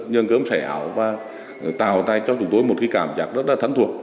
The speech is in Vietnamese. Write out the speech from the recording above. nhường cơm sẻ ảo và tạo ra cho chúng tôi một cái cảm giác rất là thân thuộc